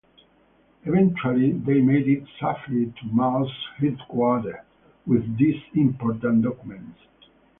Eventually they made it safely to Mao's headquarter with these important documents.